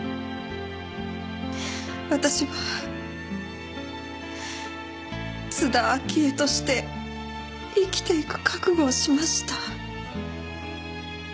私は津田明江として生きていく覚悟をしました。